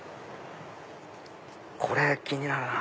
これ気になるな。